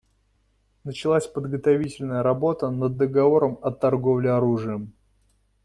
Началась подготовительная работа над договором о торговле оружием.